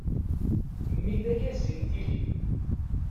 Mmi d ayazi n tili.